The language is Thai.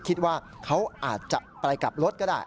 คิดว่าเขาอาจจะไปกลับรถก็ได้